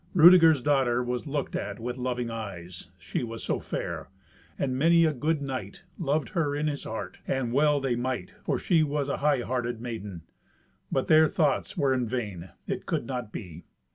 Rudeger's daughter was looked at with loving eyes, she was so fair; and many a good knight loved her in his heart. And well they might, for she was an high hearted maiden. But their thoughts were vain: it could not be.